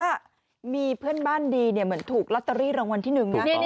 ถ้ามีเพื่อนบ้านดีเหมือนถูกลอตเตอรี่รางวัลที่หนึ่งนะ